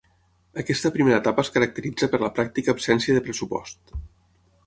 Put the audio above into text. Aquesta primera etapa es caracteritza per la pràctica absència de pressupost.